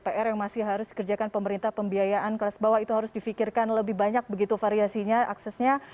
pr yang masih harus dikerjakan pemerintah pembiayaan kelas bawah itu harus difikirkan lebih banyak begitu variasinya aksesnya